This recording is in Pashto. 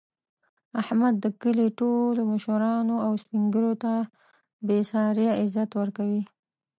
احمد د کلي ټولو مشرانو او سپین ږېرو ته بې ساري عزت ورکوي.